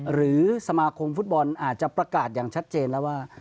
หรือสมาคมฟุตบอลอาจจะประกาศอย่างชัดเจนแล้วว่า